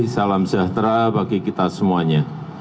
salam sejahtera bagi kita semuanya